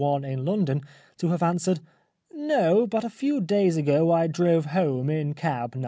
I in London to have answered :" No, but a few days ago I drove home in cab No.